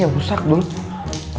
ini mudah dong